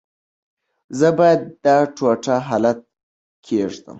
زه باید دا ټوټه هلته کېږدم.